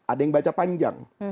ada yang baca panjang